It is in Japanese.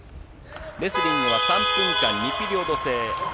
レスリングは３分間２ピリオド制。